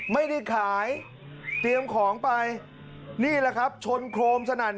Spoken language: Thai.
ไม่ได้ขายเตรียมของไปนี่แหละครับชนโครมสนั่น